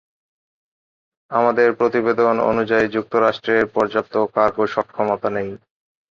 আমাদের প্রতিবেদন অনুযায়ী, যুক্তরাষ্ট্রের পর্যাপ্ত কার্গো সক্ষমতা নেই।